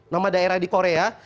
nama daerah di korea